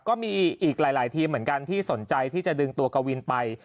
ก็มีอีกหลายทีมเหมือนกันที่สนใจที่จะดึงตัวกวินไป